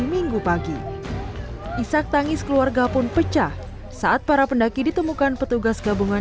minggu pagi isak tangis keluarga pun pecah saat para pendaki ditemukan petugas gabungan